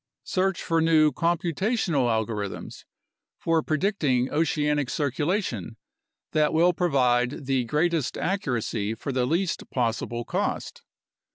Search for new computational algorithms for predicting oceanic circulation that will provide the greatest accuracy for the least pos sible cost.